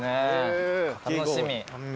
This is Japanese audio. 楽しみ。